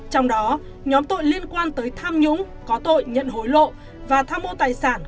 trong đó nhóm tội liên quan tới tham nhũng có tội nhận hối lộ và tham mô tài sản